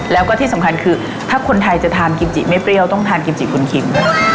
แล้วก็ที่สำคัญคือถ้าคนไทยจะทานกิมจิไม่เปรี้ยวต้องทานกิมจิคุณคิม